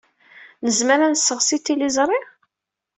Nezmer ad nesseɣsi tiliẓri?